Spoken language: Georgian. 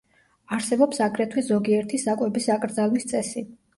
არსებობს აგრეთვე ზოგიერთი საკვების აკრძალვის წესი.